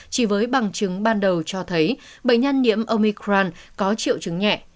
chỉ với bằng chứng ban đầu cho thấy bệnh nhân nhiễm omicran có triệu chứng nhẹ